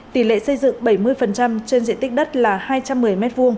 tỷ lệ xây dựng bảy mươi trên diện tích đất là hai trăm một mươi m hai